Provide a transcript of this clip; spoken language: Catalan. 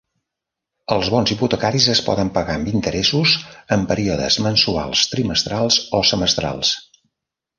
Els bons hipotecaris es poden pagar amb interessos en períodes mensuals, trimestrals o semestrals.